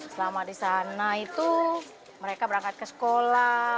selama di sana itu mereka berangkat ke sekolah